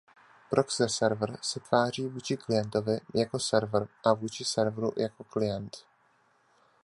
Proxy server se tváří vůči klientovi jako server a vůči serveru jako klient.